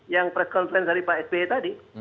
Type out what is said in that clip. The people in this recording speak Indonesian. yang press conference dari pak sby tadi